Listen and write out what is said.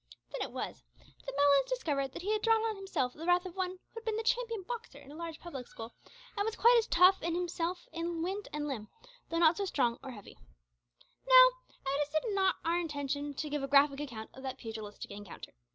Then it was that Malines discovered that he had drawn on himself the wrath of one who had been the champion boxer in a large public school, and was quite as tough as himself in wind and limb, though not so strong or so heavy. Now, it is not our intention to give a graphic account of that pugilistic encounter.